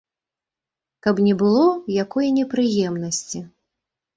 Каб не было якой непрыемнасці.